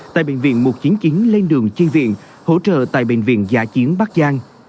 tại bệnh viện một trăm chín mươi chín lên đường chi viện hỗ trợ tại bệnh viện giả chiến bắc giang